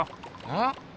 ん？